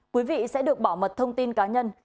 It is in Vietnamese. quý vị sẽ được bảo mật thông tin cá nhân